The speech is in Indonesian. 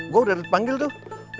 gue udah dipanggil tuh